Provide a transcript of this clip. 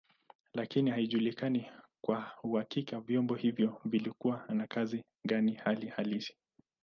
Lakini haijulikani kwa uhakika vyombo hivyo vilikuwa na kazi gani hali halisi.